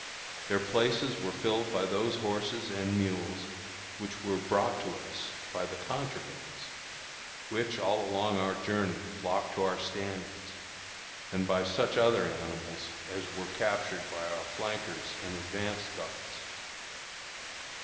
Their places were filled by those horses and mules which were brought to us by the contrabands, which all along our journey flocked to our standards, and by such other animals as were captured by our flankers and advance guards.